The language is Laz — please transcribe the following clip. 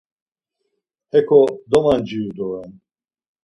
Heko domanciru doren.